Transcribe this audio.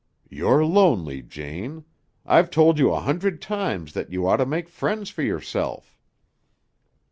"You're lonely, Jane. I've told you a hundred times that you ought to make friends for yourself."